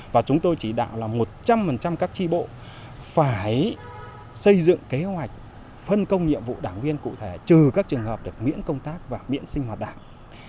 và chúng tôi chỉ đạo là một trăm linh các tri bộ phải xây dựng kế hoạch phân công nhiệm vụ đảng viên cụ thể trừ các trường hợp được miễn công tác và miễn sinh hoạt đảng